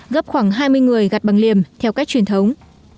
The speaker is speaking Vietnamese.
gấp khoảng hai mươi người gặt bằng liềm theo cách truyền thống